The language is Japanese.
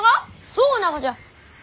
そうながじゃ！